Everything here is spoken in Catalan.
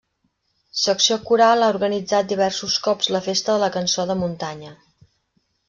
Secció coral ha organitzat diversos cops la Festa de la cançó de muntanya.